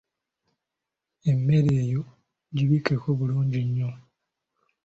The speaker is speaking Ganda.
Emmere eyo gibikkeko bulungi nnyo.